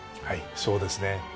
はいそうですね。